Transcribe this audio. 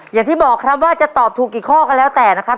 อย่างที่บอกครับว่าจะตอบถูกกี่ข้อก็แล้วแต่นะครับ